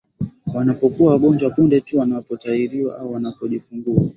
wanapokuwa wagonjwa punde tu wanapotahiriwa au wanapojifungua